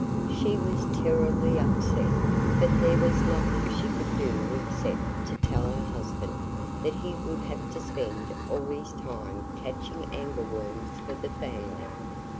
She was terribly upset. But there was nothing she could do except to tell her husband that he would have to spend all his time catching angleworms for the family.